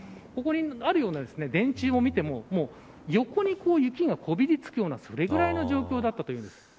ここにあるような電柱を見ても横に雪がこびりつくようなそれぐらいの状況だったということです。